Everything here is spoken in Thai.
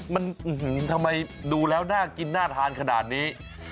มันทำไมดูแล้วน่ากินน่าทานขนาดนี้